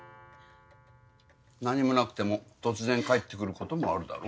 何もなくても突然帰ってくることもあるだろ。